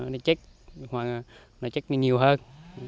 nó chết hoặc là nó chết nhiều hơn